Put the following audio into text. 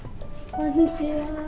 こんにちは。